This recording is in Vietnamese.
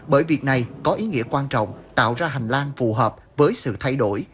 bởi việc này có ý nghĩa quan trọng tạo ra hành lang phù hợp với sự thay đổi